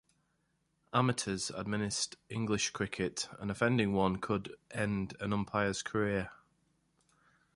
Amateurs administered English cricket, and offending one could end an umpire's career.